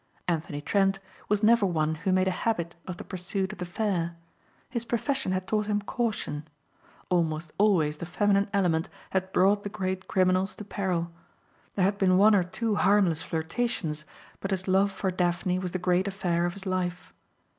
Anthony Trent was never one who made a habit of the pursuit of the fair. His profession had taught him caution. Almost always the feminine element had brought the great criminals to peril. There had been one or two harmless flirtations but his love for Daphne was the great affair of his life.